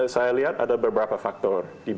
saya lihat ada beberapa faktor